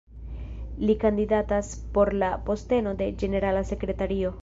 Li kandidatas por la posteno de ĝenerala sekretario.